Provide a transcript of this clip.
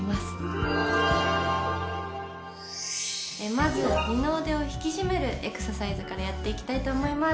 まず二の腕を引き締めるエクササイズからやっていきたいと思います。